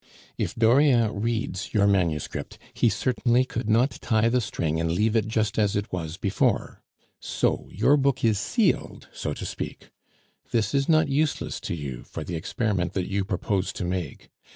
If Dauriat reads your manuscript, he certainly could not tie the string and leave it just as it was before. So your book is sealed, so to speak. This is not useless to you for the experiment that you propose to make.